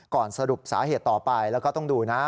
สรุปสาเหตุต่อไปแล้วก็ต้องดูนะ